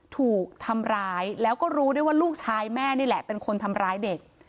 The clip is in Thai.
ถูกทำร้ายแล้วก็รู้ด้วยว่าลูกชายแม่นี่แหละเป็นคนทำร้ายเด็ก